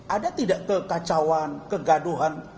ada tidak kekacauan kegaduhan